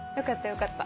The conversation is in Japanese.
よかった。